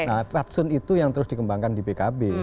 nah fatsun itu yang terus dikembangkan di pkb